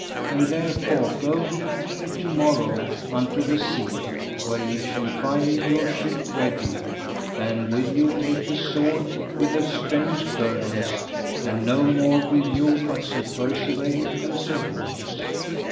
And therefore go ye three to morrow unto the sea, where ye shall find your ship ready, and with you take the sword with the strange girdles, and no more with you but Sir Percivale and Sir Bors.